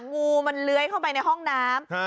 งูมันเลื้อยเข้าไปในห้องน้ำ